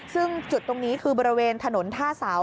ซึ่งจุดตรงนี้คือบริเวณถนนท่าเสา